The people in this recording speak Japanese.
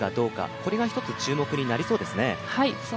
これが一つ注目になりそうですね。